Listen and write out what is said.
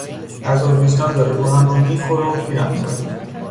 عذاب وجدان داره روحم رو میخوره و پیرم میکنه